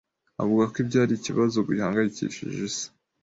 avugako ibyo ari ikibazo gihangayikishije isi